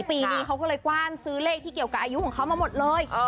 ปีนี้เขาก็เลยกว้านซื้อเลขที่เกี่ยวกับอายุของเขามาหมดเลย